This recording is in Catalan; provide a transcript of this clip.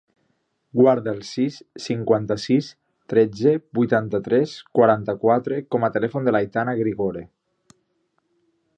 Guarda el sis, cinquanta-sis, tretze, vuitanta-tres, quaranta-quatre com a telèfon de l'Aitana Grigore.